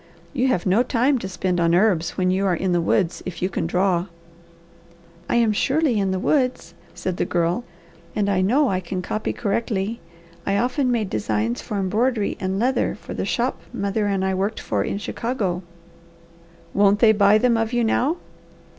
You have no time to spend on herbs, when you are in the woods, if you can draw." "I am surely in the woods," said the Girl, "and I know I can copy correctly. I often made designs for embroidery and leather for the shop mother and I worked for in Chicago." "Won't they buy them of you now?"